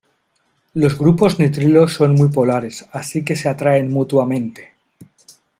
Los grupos nitrilo son muy polares, así que se atraen mutuamente.